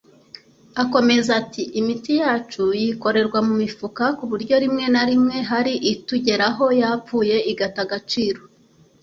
Akomeza ati’’Imiti yacu yikorerwa mu mifuka ku buryo rimwe na rimwe hari itugeraho yapfuye igata agaciro